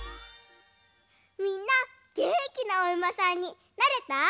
みんなげんきなおうまさんになれた？